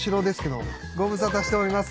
ご無沙汰しております。